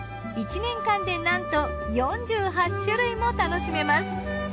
１年間でなんと４８種類も楽しめます。